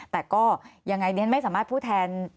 แต่ก็ยังไงดิฉันไม่สามารถพูดแทน